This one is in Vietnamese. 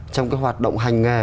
trong cái hoạt động hành nghề